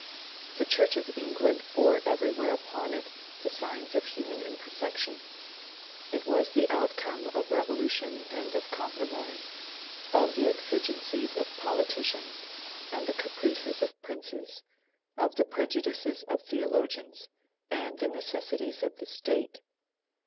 The Church of England bore everywhere upon it the signs of human imperfection; it was the outcome of revolution and of compromise, of the exigencies of politicians and the caprices of princes, of the prejudices of theologians and the necessities of the State.